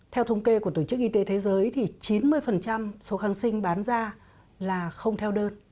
theo thống kê của tổ chức y tế thế giới thì chín mươi số kháng sinh bán ra là không theo đơn